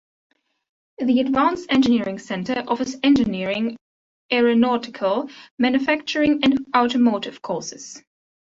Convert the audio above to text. The Advanced Engineering Centre offers engineering, aeronautical, manufacturing and automotive courses.